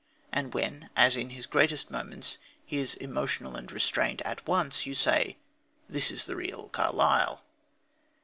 And when, as in his greatest moments, he is emotional and restrained at once, you say: "This is the real Carlyle."